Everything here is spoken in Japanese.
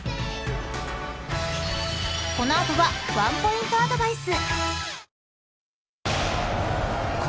［この後はワンポイントアドバイス］